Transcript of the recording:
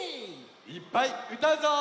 いっぱいうたうぞ！